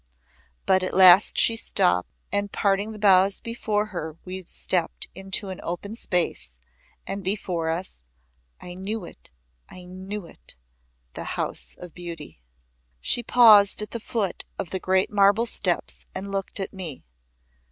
But at last she stooped and parting the boughs before her we stepped into an open space, and before us I knew it I knew it! The House of Beauty. She paused at the foot of the great marble steps and looked at me.